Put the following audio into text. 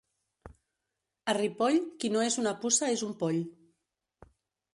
A Ripoll, qui no és una puça és un poll.